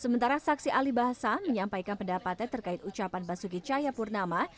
sementara saksi ali bahasa menyampaikan pendapatnya terkait ucapan basuki cahayapurnama